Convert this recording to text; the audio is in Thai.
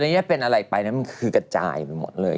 แต่ถ้าเป็นอะไรไปมันคือกระจายไปหมดเลย